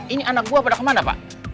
ini anak buah pada kemana pak